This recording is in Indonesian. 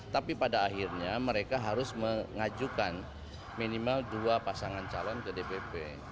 tapi pada akhirnya mereka harus mengajukan minimal dua pasangan calon ke dpp